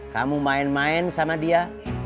kamu main main sama dia